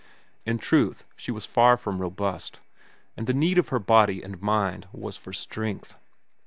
In truth, she was far from robust, and the need of her body and mind was for strength.